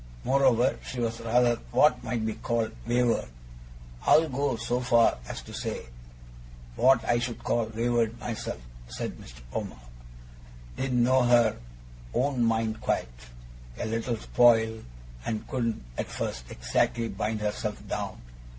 Moreover, she was rather what might be called wayward I'll go so far as to say what I should call wayward myself,' said Mr. Omer; ' didn't know her own mind quite a little spoiled and couldn't, at first, exactly bind herself down.